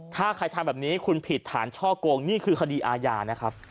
ถ้าใครทำแบบนี้คุณผิดฐานช่อโกงนี่คือคดีอาญานะครับ